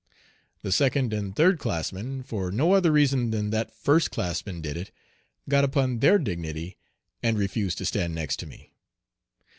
The second and third classmen, for no other reason than that first classmen did it, "got upon their dignity, and refused to stand next to me.